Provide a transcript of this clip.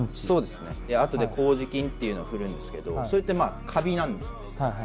そうですね後で麹菌っていうの振るんですけどそれってカビなんですよ。